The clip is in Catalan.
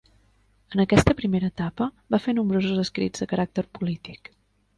En aquesta primera etapa va fer nombrosos escrits de caràcter polític.